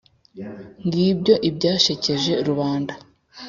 ngibyo ibyashekeje rubanda